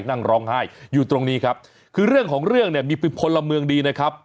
นั่งร้องไห้อยู่ตรงนี้ครับคือเรื่องของเรื่องเนี่ยมีพลเมืองดีนะครับ